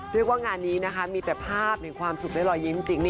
เรียกว่างานนี้นะคะมีแต่ภาพในความสุขและรอยยิ้มจริง